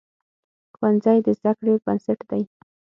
ښوونځی د زده کړې بنسټ دی.